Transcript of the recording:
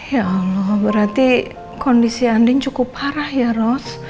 ya allah berarti kondisi andin cukup parah ya ros